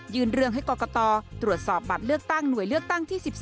เรื่องให้กรกตตรวจสอบบัตรเลือกตั้งหน่วยเลือกตั้งที่๑๒